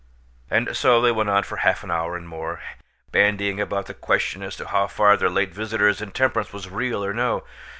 And so they went on for half an hour and more, bandying about the question as to how far their late visitor's intemperance was real or no.